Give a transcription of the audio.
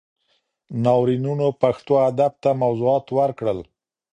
ناورینونو پښتو ادب ته موضوعات ورکړل.